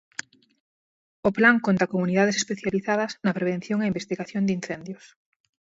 O plan conta con unidades especializadas na prevención e investigación de incendios.